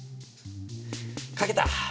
書けた！